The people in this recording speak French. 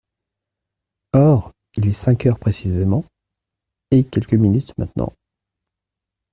Or, il est cinq heures précisément, et quelques minutes maintenant.